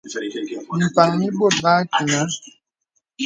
Mì mpàŋ mì bɔ̀t bə akənâ.